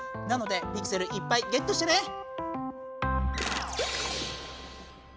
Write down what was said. なのでピクセルいっぱいゲットしてね！